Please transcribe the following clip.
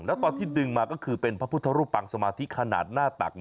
แล้วตอนที่ดึงมาก็คือเป็นพระพุทธรูปปังสมาธิขนาดหน้าตัก